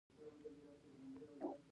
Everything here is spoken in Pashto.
بزگر له یویې ستړی را ستون شو.